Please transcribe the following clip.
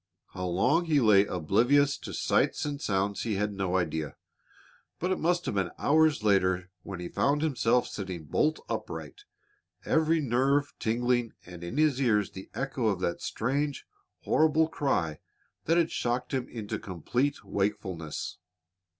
How long he lay oblivious to sights and sounds he had no idea. But it must have been hours later when he found himself sitting bolt upright, every nerve tingling and in his ears the echo of that strange, horrible cry that had shocked him into complete wakefulness.